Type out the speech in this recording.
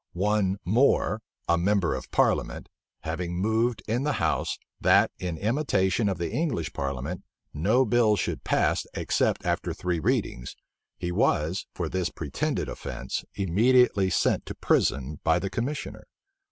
One More, a member of parliament, having moved in the house, that, in imitation of the English parliament, no bill should pass except after three readings, he was, for this pretended offence, immediately sent to prison by the commissioner.